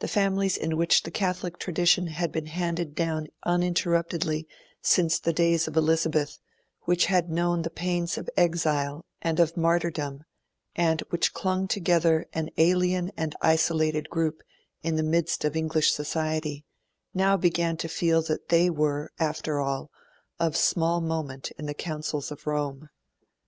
The families in which the Catholic tradition had been handed down uninterruptedly since the days of Elizabeth, which had known the pains of exile and of martyrdom, and which clung together an alien and isolated group in the midst of English society, now began to feel that they were, after all, of small moment in the counsels of Rome.